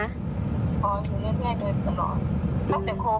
อ๋ออยู่เรื่อยโดยตลอด